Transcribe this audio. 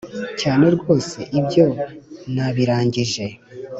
cyane rwose ibyo nabirangije!